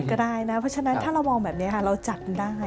ก็ได้นะเพราะฉะนั้นถ้าเรามองแบบนี้ค่ะเราจัดได้